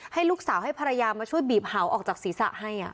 ให้ลูกสาวให้ภรรยามาช่วยบีบเห่าออกจากศีรษะให้